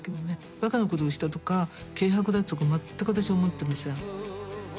バカなことをしたとか軽薄だとか全く私思ってません。